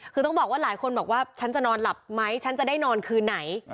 คือต้องบอกว่าหลายคนบอกว่าฉันจะนอนหลับไหมฉันจะได้นอนคืนไหน